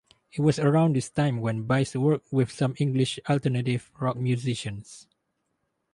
It was around this time when Bice worked with some English alternative rock musicians.